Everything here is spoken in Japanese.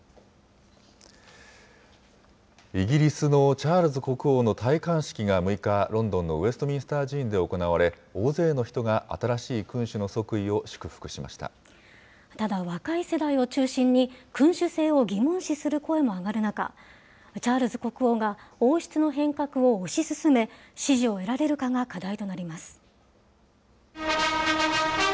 イギリスのチャールズ国王の戴冠式が６日、ロンドンのウェストミンスター寺院で行われ、大勢の人が新しい君ただ、若い世代を中心に、君主制を疑問視する声も上がる中、チャールズ国王が王室の変革を推し進め、支持を得られるかが課題となります。